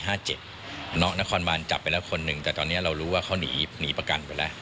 น้องนครบานจับไปแล้วคนหนึ่งแต่ตอนนี้เรารู้ว่าเขาหนีประกันไปแล้ว